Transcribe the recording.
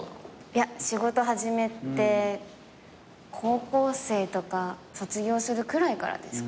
いや仕事始めて高校生とか卒業するくらいからですかね。